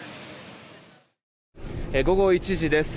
午後１時です。